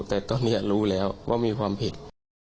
แต่ตอนนี้รู้แล้วว่ามีความผิด